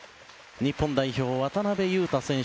日本代表、渡邊雄太選手